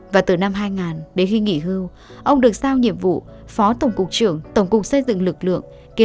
và từ năm hai nghìn đến khi nghỉ hưu ông được sao nhiệm vụ phó tổng cục trưởng tổng cục xây dựng lực lượng